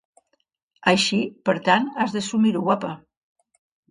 Així; per tant, has d’assumir-ho, guapa.